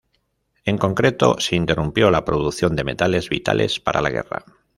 En concreto, se interrumpió la producción de metales vitales para la guerra.